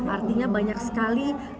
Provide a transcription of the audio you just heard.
artinya banyak sekali